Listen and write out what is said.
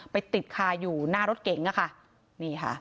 ไปติดคาอยู่หน้ารถเก๋งอะค่ะนี่ค่ะ